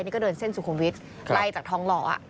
นี่ก็เดินเส้นสุขุมวิทรไล่จากทองหล่ออ่ะ